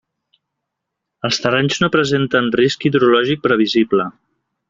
Els terrenys no presenten risc hidrològic previsible.